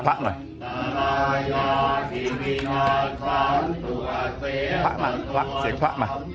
พระมาพระเสียงพระมา